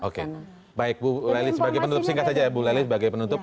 oke baik bu lely sebagai penutup singkat saja ya bu lely sebagai penutup